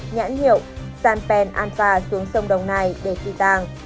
nhãn hiệu sanpen anpa xuống sông đồng nai để phi tàng